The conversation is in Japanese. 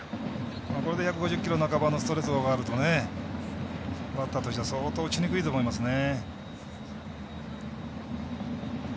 これで１５０キロ半ばのストレートがあるとバッターとしては相当、打ちにくいと思いますね。